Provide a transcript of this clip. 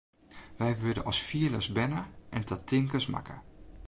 Wy wurde as fielers berne en ta tinkers makke.